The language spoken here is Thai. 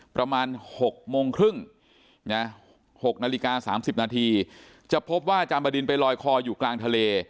ประมาณ๖โมงครึ่งนะ๖นาฬิกา๓๐นาทีจะพบว่าอาจารย์บดินไปลอยคออยู่กลางทะเล